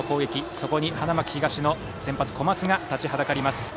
そこに花巻東の先発・小松が立ちはだかります。